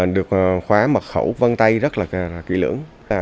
được khóa mật khẩu văn tay rất là chú ý và rất là tốt